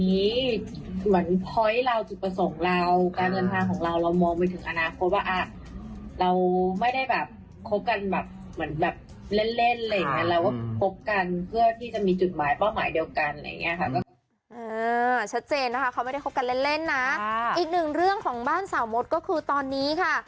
อีกหนึ่งเรื่องของบ้านสาวมดก็คือตอนนี้ค่ะ